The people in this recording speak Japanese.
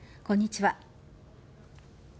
こんにちは。